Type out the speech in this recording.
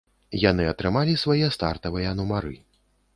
Яны атрымалі свае стартавыя нумары.